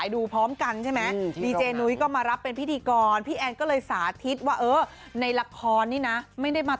อย่างไรไปดูคลิปค่ะ